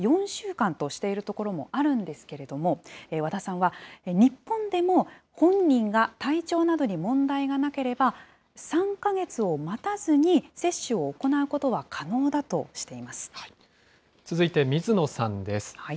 ４週間としているところもあるんですけれども、和田さんは、日本でも本人が体調などに問題がなければ、３か月を待たずに接種続いて水野さんです。